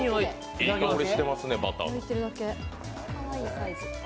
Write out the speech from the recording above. いい香りしてますね、バターの。